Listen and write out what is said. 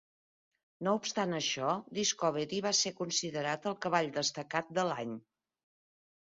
No obstant això, Discovery va ser considerat el cavall destacat de l'any.